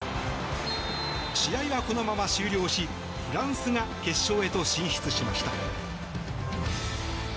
決定的な得点へとつながり試合はこのまま終了しフランスが決勝へと進出しました。